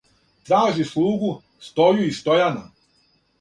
Тражи слугу Стоју и Стојана,